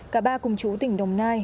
cả ba cùng chú tỉnh đồng nai